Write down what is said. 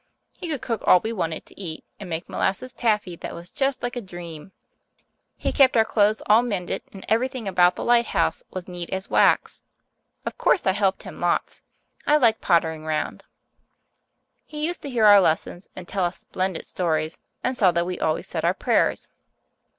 He could cook all we wanted to eat and make molasses taffy that was just like a dream. He kept our clothes all mended, and everything about the lighthouse was neat as wax. Of course I helped him lots. I like pottering round. He used to hear our lessons and tell us splendid stories and saw that we always said our prayers.